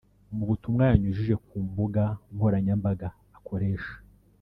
Mu butumwa yanyujije ku mbuga nkoranyambaga akoresha